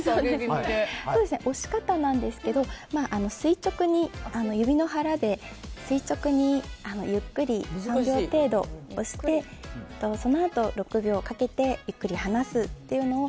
押し方なんですけど垂直に指の腹で垂直にゆっくり２３秒程度押してそのあと６秒かけてゆっくり離すというのを